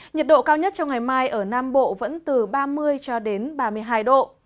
nhiệt độ cao nhất trong ngày mai ở nam bộ vẫn từ ba mươi ba mươi hai độ